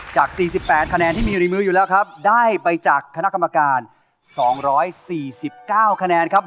จาก๔๘คะแนนที่มีใบมือได้ไปจากของคุณคุณนะครับ